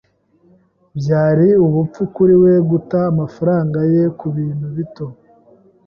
Byari ubupfu kuri we guta amafaranga ye kubintu bito.